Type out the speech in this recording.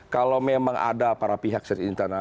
kalau memang ada para pihak di sekitaran istana